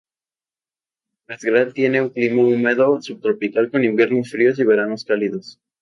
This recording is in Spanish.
Razgrad tienes un clima húmedo subtropical con inviernos fríos y veranos cálidos.